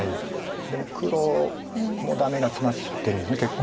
でも黒もダメがツマってるんです結構。